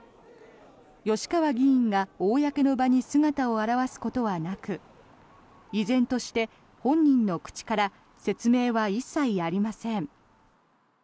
吉川議員が公の場に姿を現すことはなく依然として本人の口から説明は一切ありません。